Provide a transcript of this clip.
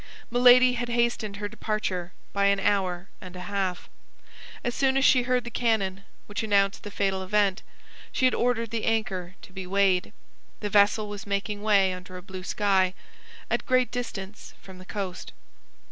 Milady had hastened her departure by an hour and a half. As soon as she heard the cannon which announced the fatal event, she had ordered the anchor to be weighed. The vessel was making way under a blue sky, at great distance from the coast.